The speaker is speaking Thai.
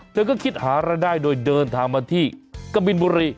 เธอก็คิดหารายได้โดยเดินทางมาที่กะบินบุรี